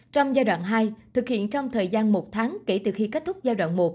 trong giai đoạn hai thực hiện trong thời gian một tháng kể từ khi kết thúc giai đoạn một